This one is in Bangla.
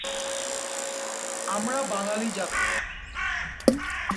আমরা বাঙালি জাতি।